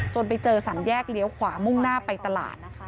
ไปเจอสามแยกเลี้ยวขวามุ่งหน้าไปตลาด